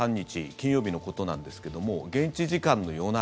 金曜日のことなんですけども現地時間の夜中